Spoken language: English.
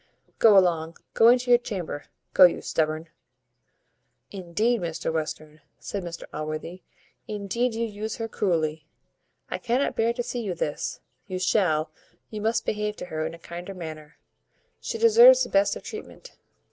Go along, go into your chamber, go, you stubborn ." "Indeed, Mr Western," said Allworthy, "indeed you use her cruelly I cannot bear to see this you shall, you must behave to her in a kinder manner. She deserves the best of treatment."